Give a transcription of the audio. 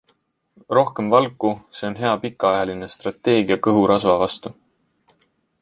Rohkem valku - see on hea pikaajaline strateegia kõhurasva vastu.